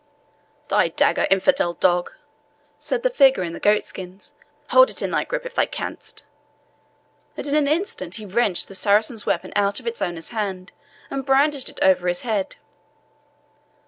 "Thy dagger! infidel dog!" said the figure in the goat skins, "hold it in thy gripe if thou canst!" and in an instant he wrenched the Saracen's weapon out of its owner's hand, and brandished it over his head.